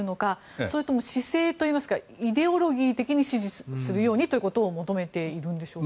それとも姿勢といいますかイデオロギー的に支持するようにということを求めているんでしょうか。